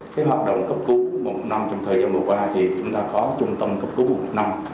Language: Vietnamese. cái hoạt động cấp cứu một năm trong thời gian vừa qua thì chúng ta có trung tâm cấp cứu một năm